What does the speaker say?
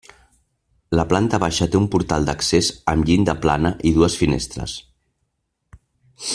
La planta baixa té un portal d'accés amb llinda plana i dues finestres.